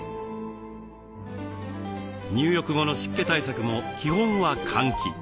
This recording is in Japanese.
入浴後の湿気対策も基本は換気。